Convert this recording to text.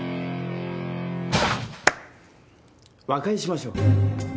和解しましょう。